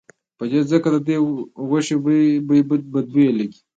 په ده ځکه ددې غوښې بوی بد لګي.